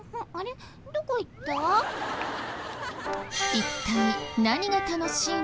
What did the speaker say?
一体何が楽しいのか？